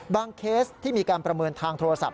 เคสที่มีการประเมินทางโทรศัพท์